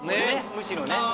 むしろね。